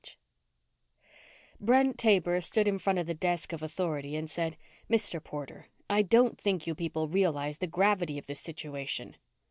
8 Brent Taber stood in front of the desk of Authority and said, "Mr. Porter, I don't think you people realize the gravity of this situation."